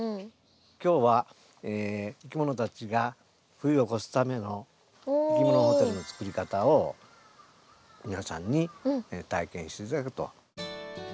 今日はいきものたちが冬を越すためのいきものホテルの作り方を皆さんに体験して頂くと。